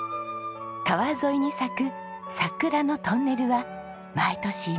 川沿いに咲く桜のトンネルは毎年見事ですよ！